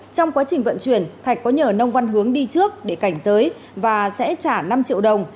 trong quá trình vận chuyển thạch có nhờ nông văn hướng đi trước để cảnh giới và sẽ trả năm triệu đồng